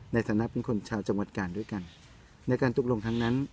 ในฐานะเป็นคนชาวจังหวัดกาลด้วยกันในการตกลงครั้งนั้น